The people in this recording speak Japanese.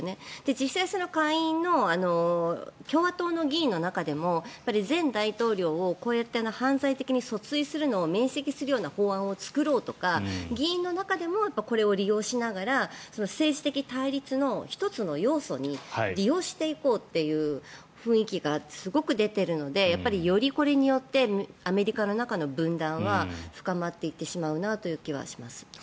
実際下院の共和党の議員の中でも前大統領をこうやって犯罪的に訴追するのを免責するような法案を作ろうとか議員の中でもこれを利用しながら政治的対立の１つの要素に利用していこうっていう雰囲気がすごく出ているのでよりこれによってアメリカの中の分断は深まっていってしまうなという気はします。